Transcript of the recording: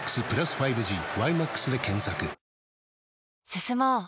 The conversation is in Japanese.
進もう。